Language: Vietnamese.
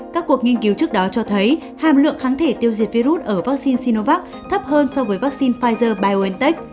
các cuộc nghiên cứu trước đó cho thấy hàm lượng kháng thể tiêu diệt virus ở vaccine sinovac thấp hơn so với vaccine pfizer biontech